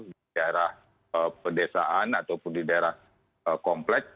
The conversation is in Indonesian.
di daerah pedesaan ataupun di daerah kompleks